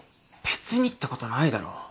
別にってことないだろ。